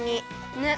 ねっ！